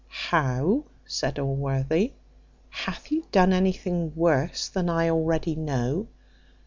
"How!" said Allworthy; "hath he done anything worse than I already know?